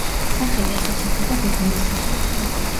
სახელი ასოცირდება გოგონას სახელთან.